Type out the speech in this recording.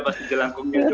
pasti jelangkung itu ada